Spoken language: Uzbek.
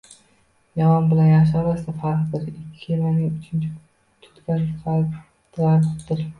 Yomon bilan yaxshi orasida farqdir, ikki kemaning uchin tutgan g'arqdir.